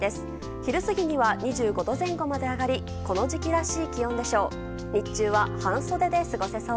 昼過ぎには２５度前後まで上がりこの時期らしい気温でしょう。